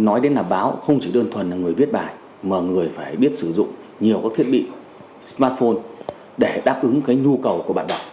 nói đến là báo không chỉ đơn thuần là người viết bài mà người phải biết sử dụng nhiều các thiết bị smartphone để đáp ứng cái nhu cầu của bạn đọc